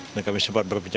dan kami sempat berpijak